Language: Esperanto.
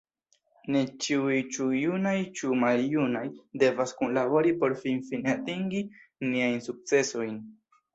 Ni ĉiuj, ĉu junaj ĉu maljunaj, devas kunlabori por finfine atingi niajn sukcesojn.